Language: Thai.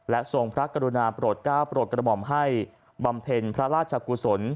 ทรงพระกรุณาโปรดก้าวโปรดกระหม่อมให้บำเพ็ญพระราชกุศล